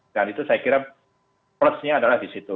dan itu saya kira plusnya adalah di situ